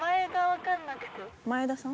前田さん？